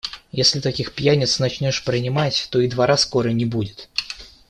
Если таких пьяниц начнешь принимать, то и двора скоро не будет.